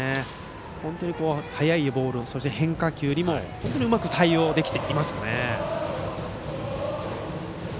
本当に速いボール変化球にもうまく対応できていますよね。